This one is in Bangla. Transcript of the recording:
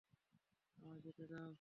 আমায় যেতে দাও।